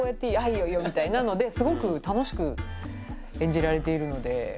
「いいよいいよ」みたいなのですごく楽しく演じられているので。